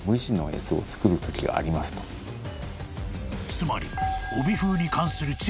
［つまり］